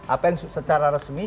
apa yang secara resmi